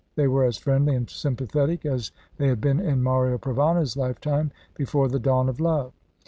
They were as friendly and sympathetic as they had been in Mario Provana's lifetime, before the dawn of love.